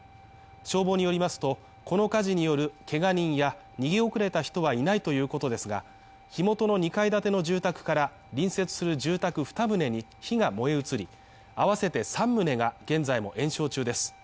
消防によりますとこの火事によるけが人や逃げ遅れた人はいないということですが、火元の２階建ての住宅から、隣接する住宅２棟に火が燃え移り、あわせて３棟が、現在も延焼中です。